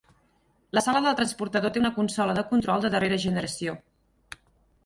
La sala del transportador té una consola de control de darrera generació.